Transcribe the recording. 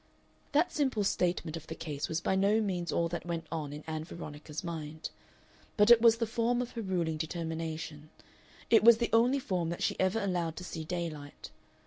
That simple statement of the case was by no means all that went on in Ann Veronica's mind. But it was the form of her ruling determination; it was the only form that she ever allowed to see daylight.